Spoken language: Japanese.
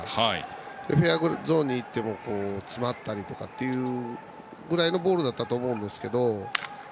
フェアゾーンに行っても詰まったりというぐらいのボールだったと思うんですけど。